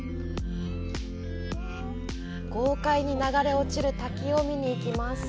豪快に流れ落ちる滝を見にいきます。